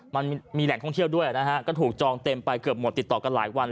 มันมีแหล่งท่องเที่ยวด้วยนะฮะก็ถูกจองเต็มไปเกือบหมดติดต่อกันหลายวัน